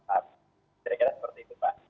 jadi kira kira seperti itu pak